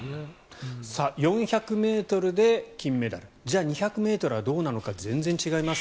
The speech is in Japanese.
４００ｍで金メダルじゃあ２００ｍはどうなのか全然違います。